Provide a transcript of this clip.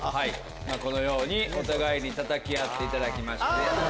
このようにお互いにたたき合っていただきまして。